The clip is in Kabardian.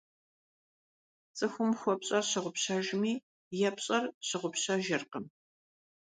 ЦӀыхум хуэпщӀэр щыгъупщэжми, епщӀэр щыгъупщэжыркъым.